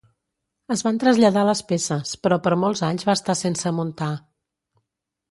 Es van traslladar les peces però per molts anys va estar sense muntar.